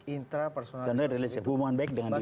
intra personal relationship hubungan baik dengan diri